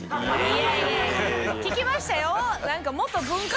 いやいや聞きましたよ